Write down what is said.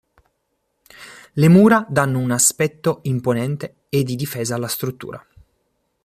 Le mura danno un aspetto imponente e di difesa alla struttura.